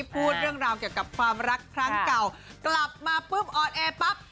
พูดเรื่องราวเกี่ยวกับความรักครั้งเก่ากลับมาปุ๊บออนแอร์ปั๊บ